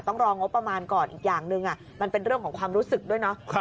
ต้องรองบประมาณก่อนอีกอย่างหนึ่งมันเป็นเรื่องของความรู้สึกด้วยเนาะ